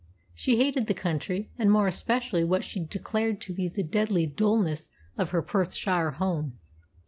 She hated the country, and more especially what she declared to be the "deadly dullness" of her Perthshire home.